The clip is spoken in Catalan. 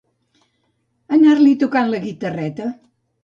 Anar-li tocant la guitarreta.